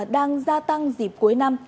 đang gia tăng dịp cuối năm